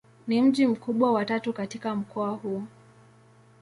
Ni mji mkubwa wa tatu katika mkoa huu.